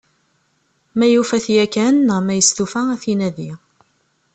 Ma yufa-t yakan neɣ ma yestufa ad t-inadi.